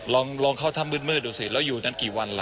ลองเข้าถ้ำมืดดูสิแล้วอยู่นั้นกี่วันล่ะ